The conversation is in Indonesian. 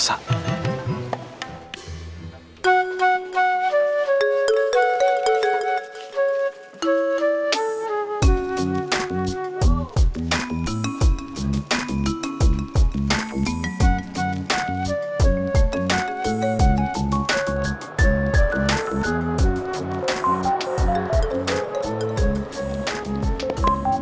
dia udah dewasa